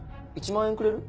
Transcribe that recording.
１万円くれる？